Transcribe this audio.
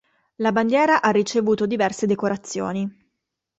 La bandiera ha ricevuto diverse decorazioni.